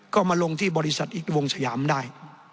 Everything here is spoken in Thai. ก็มาลงที่บริษัทอีกวงสยามได้